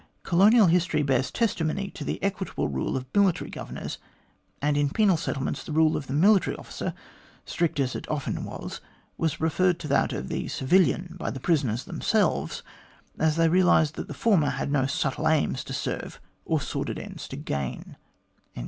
Colonial history bears testimony to the equitable rule of military Governors, and in penal settlements the rule of the military officer, strict as it often was, was preferred to that of the civilian by the prisoners themselves, as they realised that the former had no subtle aims to serve or sordid ends to gain."